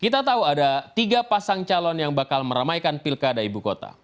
kita tahu ada tiga pasang calon yang bakal meramaikan pilkada ibu kota